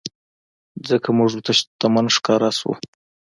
ځکه مونږ ورته شتمن ښکاره شوو.